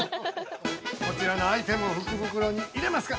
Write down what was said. ◆こちらのアイテム、福袋に入れますか。